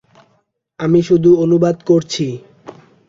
আমি শুধু অনুবাদ করছি।